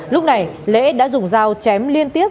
lúc này lễ đã dùng dao chém liên tiếp